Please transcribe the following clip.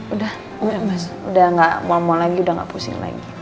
udah udah gak mau lagi udah gak pusing lagi